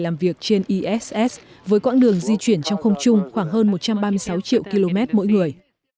làm việc trên iss với quãng đường di chuyển trong không chung khoảng hơn một trăm ba mươi sáu triệu km mỗi người